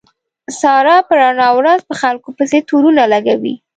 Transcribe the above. ساره په رڼا ورځ په خلکو پسې تورو نه لګوي.